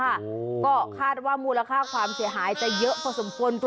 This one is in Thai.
เอาไว้ด้วยค่ะก็คาดว่ามูลค่าความเสียหายจะเยอะพอสมควร